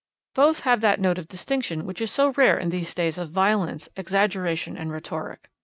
Both have that note of distinction that is so rare in these days of violence, exaggeration and rhetoric.